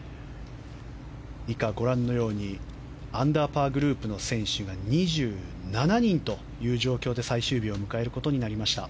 以下ご覧のようにアンダーパーグループの選手が２７人という状況で最終日を迎えることになりました。